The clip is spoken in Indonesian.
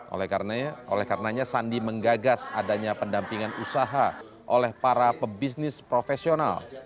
oleh karenanya sandi menggagas adanya pendampingan usaha oleh para pebisnis profesional